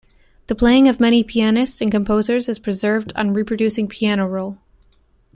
The playing of many pianists and composers is preserved on reproducing piano roll.